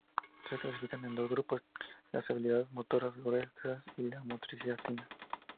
Se clasifican en dos grupos: las habilidades motoras gruesas y la motricidad fina.